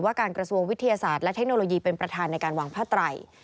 การกระทรวงวิทยาศาสตร์และเทคโนโลยีเป็นประธานในการวางผ้าไตร